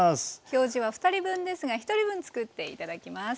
表示は２人分ですが１人分作って頂きます。